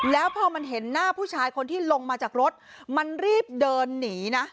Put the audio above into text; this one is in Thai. แล้วพอมันเห็นหน้าผู้ชายคนที่ลงมาจากรถมันรีบเดินหนีนะ